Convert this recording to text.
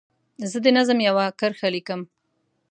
زه د نظم یوه کرښه لیکم.